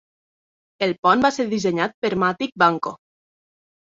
El pont va ser dissenyat per Matic Banko.